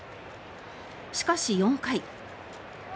しかし、４回。